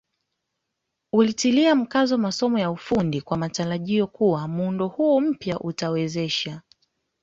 Ulitilia mkazo masomo ya kiufundi kwa matarajio kuwa muundo huu mpya utawawezesha